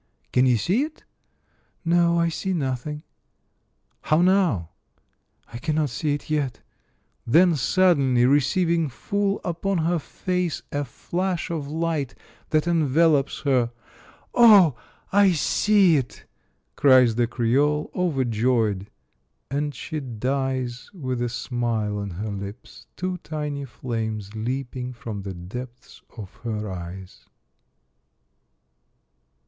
" Can you see it?" "No! I see nothing." — "How now?" "I cannot see it yet." Then suddenly receiving full upon her face a flash of light that envelops her, "Oh, I see it!" cries the Creole, overjoyed, and she dies with a smile on her lips, two tiny flames leaping from the depths of her eyes.